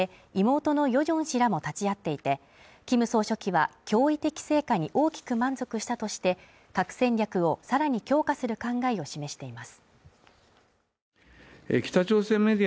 視察にはキム・ジョンウン総書記や夫人娘に加え、妹のヨジョン氏らも立ち会っていてキム総書記は脅威的成果に大きく満足したとして、核戦略をさらに強化する考えを示しています。